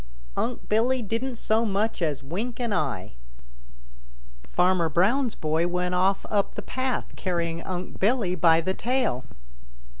Unc' Billy didn't so much as wink an eye. Farmer Brown's boy went off up the path carrying Unc' Billy by the tail.